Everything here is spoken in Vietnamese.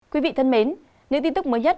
quý vị thân mến những tin tức mới nhất